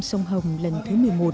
sông hồng lần thứ một mươi một